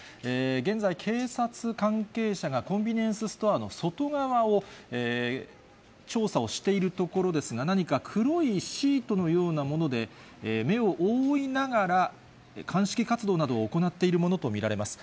現在、警察関係者がコンビニエンスストアの外側を調査をしているところですが、何か黒いシートのようなもので目を覆いながら、鑑識活動などを行っているものと見られます。